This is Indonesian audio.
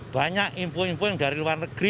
banyak info info yang dari luar negeri